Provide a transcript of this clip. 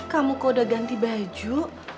kamu kok udah ganti baju